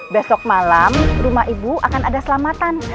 besok malam rumah ibu akan ada selamatan